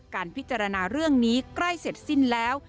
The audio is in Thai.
การพิจารณาเรื่องนี้ใกล้เสร็จสิ้นแล้ว